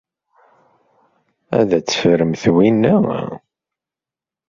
Ad teffremt winna.